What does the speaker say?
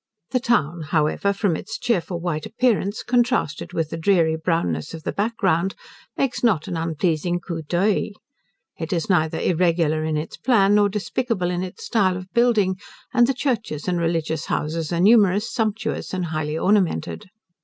The town, however, from its cheerful white appearance, contrasted with the dreary brownness of the back ground, makes not an unpleasing coup d'oeil. It is neither irregular in its plan, nor despicable in its style of building; and the churches and religious houses are numerous, sumptuous, and highly ornamented.